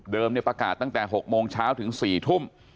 ประกาศตั้งแต่๖โมงเช้าถึง๔ทุ่ม